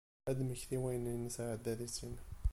Ad temmekti i wayen i nesɛedda d issin.